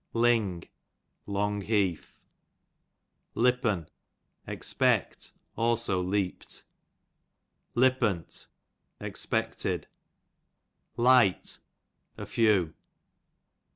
Ling, long heath, Lipp^i, expect; also leaped, Lipp^it, expected, Lite, a few.